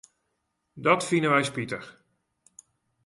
Dat fine wy spitich.